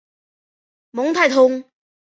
蒙泰通。